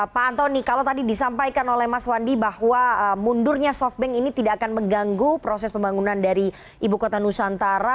pak antoni kalau tadi disampaikan oleh mas wandi bahwa mundurnya softbank ini tidak akan mengganggu proses pembangunan dari ibu kota nusantara